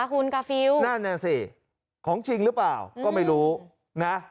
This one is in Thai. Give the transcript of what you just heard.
คุณกาฟิลนั่นน่ะสิของจริงหรือเปล่าก็ไม่รู้นะ